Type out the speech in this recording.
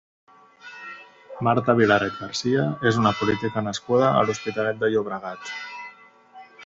Marta Vilaret García és una política nascuda a l'Hospitalet de Llobregat.